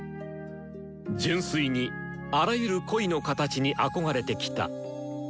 純粋にあらゆる恋の形に憧れてきた。